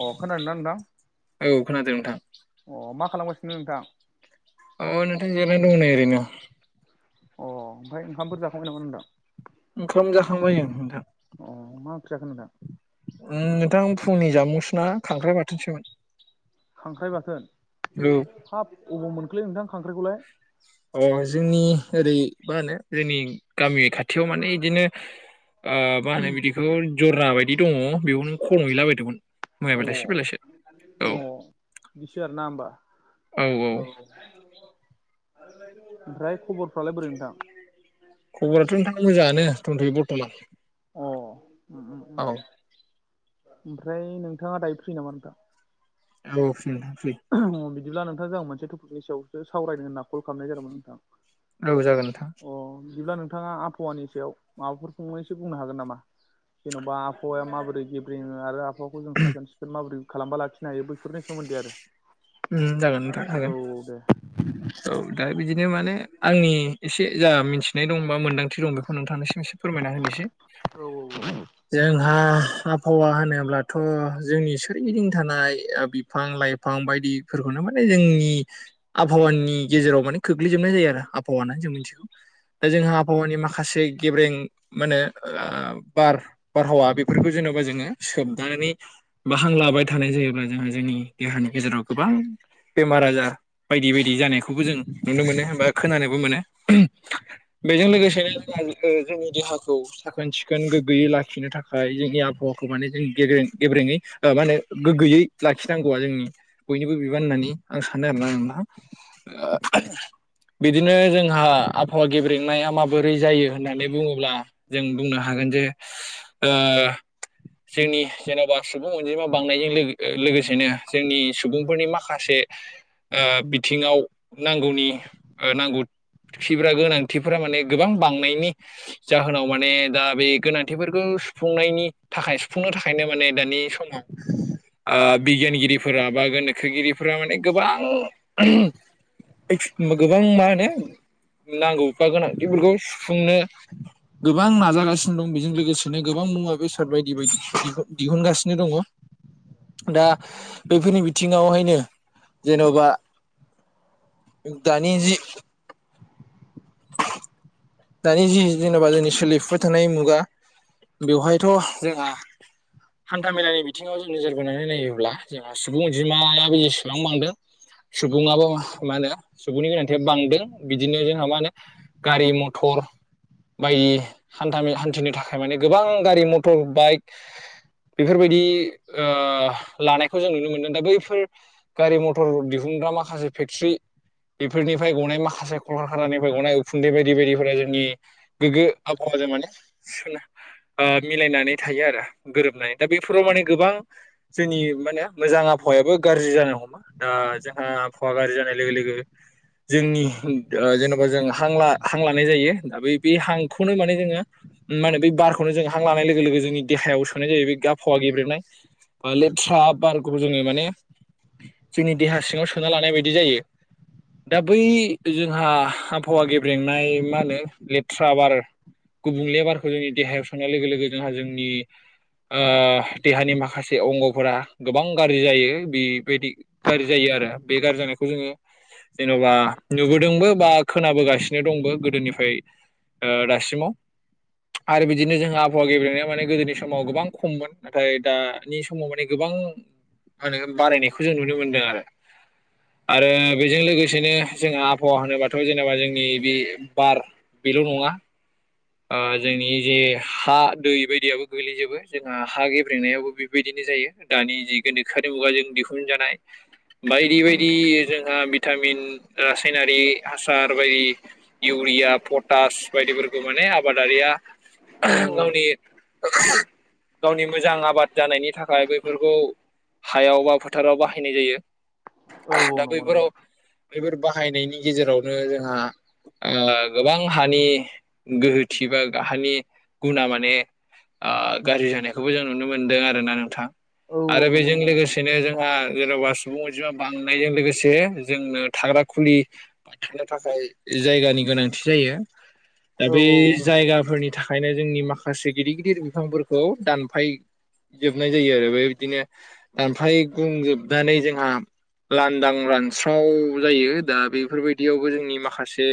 अ खोनादोंना नोंथां औ खोनादों नोंथां अ मा खालामगासिनो नोंथां औ नोंथां जिरायना दं नै ओरैनो अ ओमफ्राय ओंखामफोर जाखांबाय नामा नोंथां ओंखाम जाखांबाय आं नोंथां अ मा ओंख्रि जाखो नोंथां ओम नोंथां फुंनि जामुंसोना खांख्राइ बाथोनसोमोन खांख्राइ बाथोन हाब अबाव मोनखोलै नोंथां खांख्राइखौलाय अ जोंनि ओरै मा होनो जोंनि गामि खाथ थियाव माने इदिनो मा होनो बिदिखौ जरना बायदि दङ बेयाव नों खनहैलाबायदोंमोन मैया अ बेलासे बेलासे अ बिदिसो आरोना होमबा औ ओमफ्राय खबरफ्रालाय बोरै नोंथां खबराथ' नोंथां मोजाङानो दथ'यो बरतमान अ ओम ओम ओमफ्राय नोंथाङा दायो फ्रि नामा नोंथां औ फ्रि नोंथां फ्रि अ बिदिब्ला नोंथां जोंहा मोनसे थपिकनि सायावसो सावरायनो होन्ना कल खालामनाय जादोंमोन नोंथां औ जागोन नोंथां अ बिदिब्ला नोंथाङा आबहावानि सायाव माबाफोर फंनैसै बुंनो हागोन नामा जेन'बा आबहावाया माबोरै गेब्रेङो आरो आबाहावाखौ जों साखोन सिखोन माबोरै खालामबा लाखिनो हायो बैफोरनि सोमोन्दै आरो उम जागोन नोंथां औ हागोन औ दे औ दा बिदिनो माने आंनि एसे जा मिथिनाय दं बा मोन्दांथि दं बेखौ नोंथांनोसिम फोरमायना होनोसै औ औ औ जोंहा आबहावा होनोब्लाथ' जोंनि सोरगिदिं थानाय बिफां लाइफां बाय दिफोरखौनो माने जोंनि आबहावानि गेजेराव माने खोख्लैजोबनाय जायो आरो आबहावा होननानै जों मिथिगौ दा जोंहा आबहावानि माखासे गेब्रें मा होनो बार बारहावा बेफोरखौ जेन'बा जोङो सोबनानै बा हां लाबाय थानाय जायोब्ला जोंहा जोंनि देहानि गेजेराव गोबां बेमार आजार बायदि बायदि जानायखौबो जों नुनो मोनो होमबा खोनानोबो मोनो। बेजों लोगोसेनो जोंहा जोंनि देहाखौ सिखोन सिखोन गोग्गोयै लाखिनो थाखाय जोंनि आबहावाखौ माने जों गे गेब्रेङै ओ मा होनो गोग्गोयै लाखिनांगौआ जोंनि बयनिबो बिबान होननानै आं सानो आरोना नोंथां। बिदिनो जोंहा आबहावा गेब्रेंनाया माबोरै जायो होननानै बुङोब्ला जों बुंनो हागोन जे ओ जोंनि जेन'बा सुबुं अनजिमा बांनायजों लोगोसेनो जोंनि सुबुंफोरनि माखासे बिथिङाव नांगौनि नांगौ। खिब्रा गोनांथिफोरा माने गोबां बांनायनि जाहोनाव माने दा बे गोनांथिफोरखौ सुफुंनायनि थाखाय सुफुंनो थाखायनो माने दानि समाव [inaudible] बिगियानगिरिफोरा बा गोनोखोगिरिफोरा माने गोबां गोबां मा होनो नांगौ बा गोनांथिफोरखौ सु फुंनो गोबां नाजागासिनो दं बेजों लोगोसेनो गोबां मुवा बेसाद बायदि बायदि दिहुनगासिनो दङ। [inaudible] दा बेफोरनि बि थिङावहायनो जेन'बा दानि जि दानि जि जेनेबा जोंनि सोलिफुबुबाय थानाय मुगा बेवहायथ' जोंहा हान्था मेलानि बिथिङाव जों नोजोर बोनानै नायोब्ला जोंहा सुबुं अनजिमायाबो जेसेबां बांदों। सुबुङाबो मा होनो सुबुंनि गोनांथिया बांदों बिदिनो जोंहा मा होनो गारि मथर बाय हान्था मेला हान्थिनो थाखाय माने गोबां गारि मथर बाइक बेफोरबायदि लानायखौ जों नुनो मोनदों दा बैफोर गारि मथर दिहुनग्रा माखासे फेक्टसि बेफोरनिफ्राय गनाय माखासे कलकारखानानि [unintelligible] उखुन्दै बायदि बायदिफोरा जोंनि गोग्गो आबहावाजों माने सोला मिलायनानै थायो आरो गोरोबनाय दा बेफोराव माने गोबां जोंनि माहोनो मोजां आबहावायाबो गाज्रि जानो हमो दा जोंहा आबहावा गाज्रि जानाय लोगो लोगो जोंनि जेन बा जों हां ला हां लानाय जायो दा बे बे हांखौनो माने जोङो मा होनो बे बारखौनो जों हां लानाय लोगो लोगो जोंनि देहायाव सोनाय जायो बे आबहावा गेब्रेंनाय बा लेथ्रा बारखौबो जोङो माने जोंनि देहा सिङाव सोना लानाय बायदि जायो दा बै जोंहा आफहावा गेब्रेंनाय मा होनो लेथ्रा बार गुबुंले बारखौ जोंनि देहायाव सोनाय लोगो लोगो जोंहा जोंनि देहानि माखासे अंगफोरा गोबां गाज्रि जायो बेफोरबायदि गाज्रि जायो आरो बे गाज्रि जानायखौ जोङो जेन'बा नुबोदोंबो बा खोनाबोगासिनो दंबो गोदोनिफ्राय दासिमाव आरो बिदिनो जोंहा आबहावा गेब्रेंनाया माने गोदोनि समाव गोबां खममोन। नाथाय दानि समाव माने गोबां मा होनो बारायनायखौ जों नुनो मोनदों आरो। आरो बेजों लोगोसेनो जोङा आबहावा होनो बा थ' जेनेबा जोंनि बे बार बेल' नङा। जोंनि जे हा दै बायदियाबो गोल्लैजोबो जोंहा हा गेब्रेंनायाबो बेबायदिनो जायो। दानि जि गोनदोखोआरि मुगाजों दिहुनजानाय बायदि बायदि जोंहा भिटामिन रासायनारि हासार बायदि इउरिया पटास बायदिफोरखौ माने आबादारिया औ गावनि गावनि मोजां आबाद जानायनि थाखाय बेफोरखौ हायाव बा फोथाराव बाहायनाय जायो औ औ दा नंगौ नंगौ बैफोराव नोंथां बेफोर बाहायनायनि गेजेरावनो जोंहा गोबां हानि गोहोथि बा हानि गुना माने गाज्रि जानायखौबो जों नुनो मोनदों आरो ना नोंथां औ औ आरो नंगौ बेजों नंगौ नोंथां लोगोसेनो जोंहा जेन'बा सुबुं अनजिमा बांनायजों लोगोसे जोंनो थाग्रा खुलि थानो थाखाय जायगानि गोनांथि जायो दा औ बे औ जायगाफोरनि थाखायनो जोंनि माखासे गिदिर गिदिर बिफांफोरखौ दानफाय जोबनाय जायो आरो बेबायदिनो दानफाय गुंजोबनानै जोंहा लांदां रानस्राव जायो दा बेफोरबायदियावबो जोंनि माखासे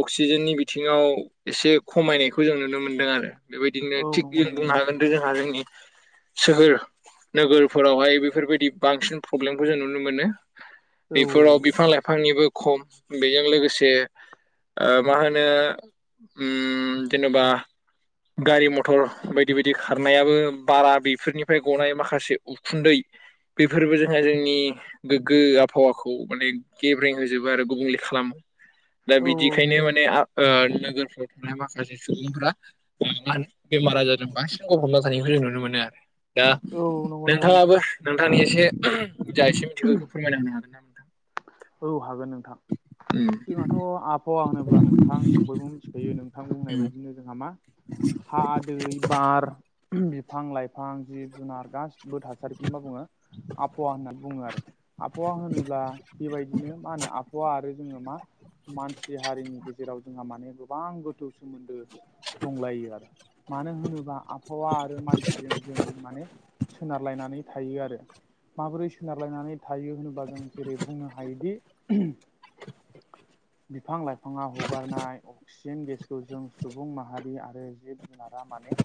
अक्सिजेननि बिथिङाव एसे खमायनायखौ जों नुनो मोनदों आरो बेबायदिनो औ थिग नंगौ जों नंगौ बुंनो नोंथां हागोन जोंहा जोंनि सोहोर नोगोरफोरावहाय बेफोरबायदि बांसिन प्रब्लेमखौ जों नुनो मोनो औ बेफोराव बिफां लाइफां बिफांनिबो खम बेजों लोगोसे मा होनो ओ जेनेबा गारि मथर बायदि बायदि खारनायाबो बारा बेफोरनिफ्राय गनाय माखासे उखुन्दै बेफोरबो जोंहा जोंनि गोग्गो आबहावाखौ माने गेब्रें होजोबो आरो गुबुंले खालामो दा औ बिदिखायनो माने नोगोरफ्राव थानाय माखासे सुबुंफ्रा बेमार आजारजों बांसिन गफबना थानायखौ जों नुनो मोनो आरो दा औ औ नंगौ नंगौ नोंथां नोंथाङाबो नोंथांनि एसे जा एसे मिथिगौ बेखौ फोरमायलांनो हागोन नामा औ हागोन नोंथां जोंहाथ' आबहावा होनोब्ला नोंथां जों बयबो मिथिखायो नोंथां बुंनाय नोंथां उम बायदिनो जोंहा मा हा दै बार बिफां लाइफां जिब जुनार गासिबो थासारिखौनो मा बुङो आब आबहावा होननानै बुङो आरो आबहावा होनोब्ला बेबायदिनो मा होनो आबहावा आरो जोङो मा मानसि हारिनि गेजेराव जों माने गोबां गोथौ सोमोन्दो दंलायो आरो मानो होनोबा आब आबहावा आरो मानसिजों जों माने सोनारलायनानै थायो आरो माबोरै सोनारलायनानै थायो होनोबा जों जेरै बुंनो हायोदि बिफां लाइफाङा हगारनाय अक्सिजेन गेसखौ जों सुबुं माहारि आरो जिब जुनारा माने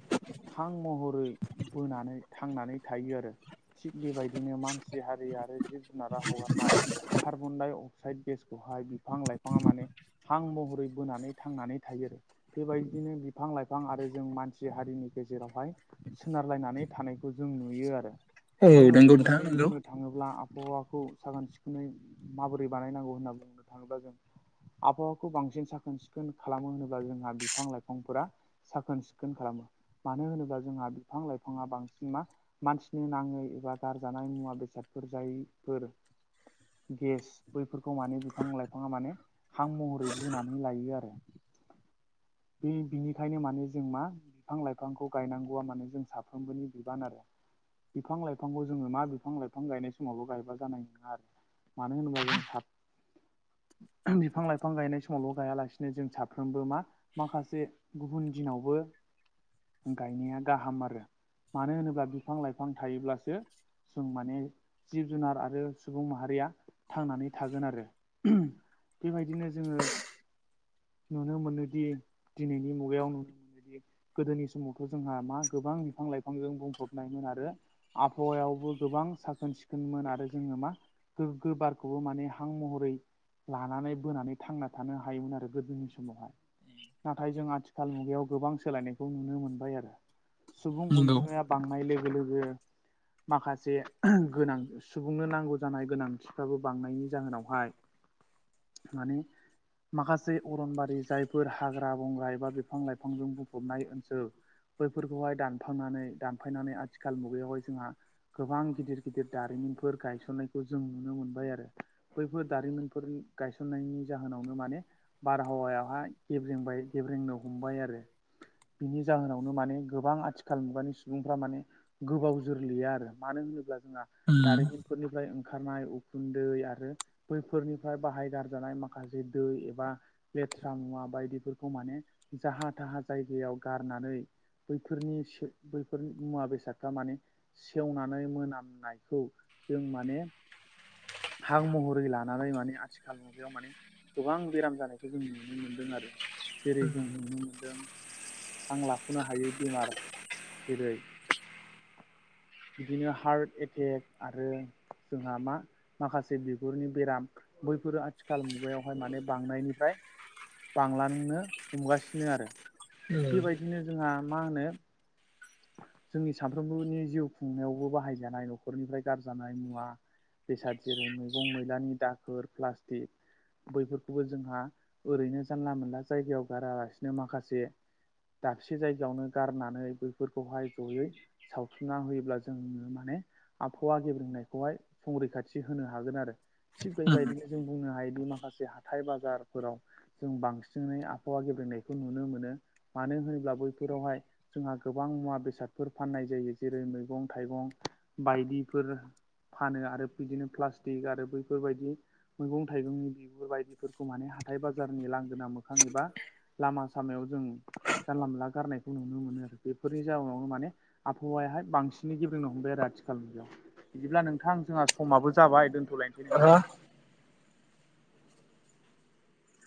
हां महरै बोनानै थांनानै थायो आरो थिग बेबायदिनो मानसि हारि आरो जिब जुनारा हगारनाय कार्बन डाइ अक्साइड गेसखौहाय बिफां लाइफाङा माने हां महरै बोनानै थांनानै थायो बेबायदिनो बिफां लाइफां आरो जों मानसि हारिनि गेजेरावहाय सोनारलायनानै थानायखौ जों नुयो आरो औ जोङो नंगौ नोंथां गुबैयै नंगौ बुंनो थाङोब्ला आबहावाखौ साखोन सिखोनै माबोरै बानायनांगौ होनना बुंनो थाङोब्ला जों आबहावाखौ बांसिन साखोन सिखोन खालामो होनोब्ला जोंहा बिफां लाइफांफोरा साखोन सिखोन खालामो मानो होनोब्ला जोंहा बिफां लाइफाङा बांसिन मा मानसिनि नाङै एबा गारजानाय मुवा बेसादफोर जायफोर गेस बैफोरखौ माने बिफां लाइफाङा माने हां महरै बोनानै लायो आरो बे बिनिखायनो माने जों मा बिफां लाइफांखौ गायनांगौआ मानो जों साफ्रोमबोनि बिबान आरो बिफां लाइफांखौ जोङो मा बिफां लाइफां गायनाय समावबो गायबा जानाय नङा आरो मानो होनोबा [unintelligible] बिफां लाइफां गायनाय समावल' गायालासिनो जों साफ्रोमबो मा? माखासे गुबुन दिनावबो गायनाया गाहाम आरो। मानो होनोब्ला बिफां लाइफां थायोब्लासो जों माने जिब जुनार आरो सुबुं माहारिया थांनानै थागोन आरो बेबायदिनो जोङो नुनो मोनोदि दिनैनि मुगायाव नुनो बेदि गोदोनि समावथ' जोंहा मा गोबां बिफां लाइफांजों बुंफबनायमोन आरो आबहावायावबो गोबां साखोन सिखोनमोन आरो जोङो मा? गोग्गो बारखौबो माने हां महरै लानानै बोनानै थांना थानो हायोमोन आरो गोदोनि समावहाय। नाथाय जों आथिखाल मुगायाव गोबां सोलायनायखौ नुनो मोनबाय आरो सुबुं नंगौ अनजिमाया बांनाय लोगो लोगो माखासे गोनां सुबुंनो नांगौ जानाय गोनांथिफ्राबो बांनायनि जाहोनावहाय माने माखासे अरनबारि जायफोर हाग्रा बंग्रा एबा बिफां लाइफांजों बुंफबनाय ओनसोल बैफोरखौहाय दानफांनानै दानफायनानै आथिखाल मुगायावहाय जोंहा गोबां गिदिर गिदिर दारिमिनफोर गायसननाय जों नुनो मोनबाय आरो बैफोर दारिमिनफोर गायसननायनि जाहोनावनो माने बारहावायावहा गेब्रेंबाय गेब्रेंनो हमबाय आरो। बिनि जाहोनावनो माने गोबां आथिखाल मुगानि सुबुंफ्रा माने गोबाव जोरलिया आरो मानो होनोब्ला जोंहा उम दारिमिनफोरनिफ्राय ओंखारनाय उखुन्दै आरो बैफोरनिफ्राय बाहायगारजानाय माखासे दै एबा लेथ्रा मुवा बायदिफोरखौ माने जाहा थाहा जायगायाव गारनानै बैफोरनि बैफोरनि मुवा बेसादफ्रा माने सेवनानै मोनामनायखौ जों माने हां महरै लानानै माने आथिखाल मुगायाव माने गोबां बेराम जानायखौ जों नुनो मोनदों आरो जेरै जों नुनो मोनदों हां लाख'नो हायै बेमार जेरै बिदिनो हार्ट एटेक आरो जोंहा मा? माखासे बिगुरनि बेराम बैफोरो आथिखाल मुगायावहाय माने बांनायनिफ्राय बांलांनो हमगासिनो आरो बेबायदिनो जोंहा मा होनो? जोंनि सानफ्रोमबोनि जिउ खुंनायावबो बाहायजानाय न'खरनिफ्राय गारजानाय मुवा बेसाद जेरै मैगं मैलानि दाखोर प्लास्टिक बैफोरखौबो जोंहा ओरैनो जानला मोनला जायगायाव गारालासिनो माखासे दाबसे जायगायावनो गारनानै बैफोरखौहाय जयै सावथुना होयोब्ला जों माने आबहावा गेब्रेंनायखौहाय संरैखाथि होनो हागोन आरो थिग उम बेबायदिनो जों बुंनो हायोदि माखासे हाथाय बाजारफोराव जों बांसिनै आबहावा गेब्लेनायखौ नुनो मोनो मानो होनोब्ला बैफोरावहाय जोंहा गोबां मुवा बेसादफोर फाननाय जायो जेरै मैगं थाइगं बायदिफोर फानो आरो बिदिनो प्लास्टिक आरो बैफोरबायदि मैगं थाइगंनि बिगुर बायदिफोरखौ माने हाथाइ बाजारनि लांगोना मोखां एबा लामा सामायाव जों जानला मानला गारनायखौ नुनो मोनो आरो। बेफोरनि जाउनावनो माने आबहावायाहाय बांसिनै गेब्रेंनो हमबाय आरो आथि खाल मुगायाव बिदिब्ला नोंथां जोंहा समाबो जाबाय दोन्थ'लायनोसै नोंथां। दा